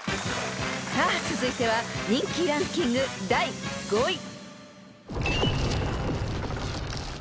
［さあ続いては人気ランキング第５位］